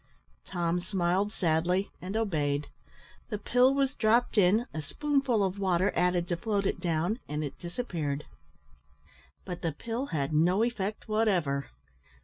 Tom smiled sadly and obeyed; the pill was dropt in, a spoonful of water added to float it down, and it disappeared. But the pill had no effect whatever.